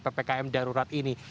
ppkm darurat ini